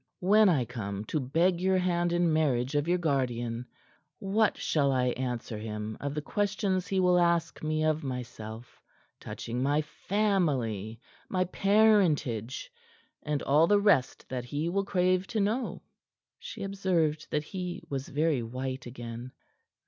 When I come to beg your hand in marriage of your guardian, what shall I answer him of the questions he will ask me of myself touching my family, my parentage and all the rest that he will crave to know?" She observed that he was very white again.